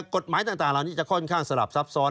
กฎหมายต่างเหล่านี้จะค่อนข้างสลับซับซ้อน